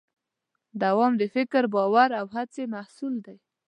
دوام د فکر، باور او هڅې محصول دی.